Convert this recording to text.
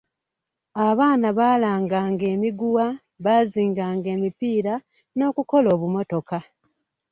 Abaana baalanganga emiguwa, baazinganga emipiira n'okukola obumotoka.